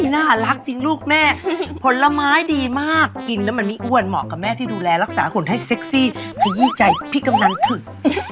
น่ารักจริงลูกแม่ผลไม้ดีมากกินแล้วมันไม่อ้วนเหมาะกับแม่ที่ดูแลรักษาคนให้เซ็กซี่ขยี้ใจพี่กำนันถึก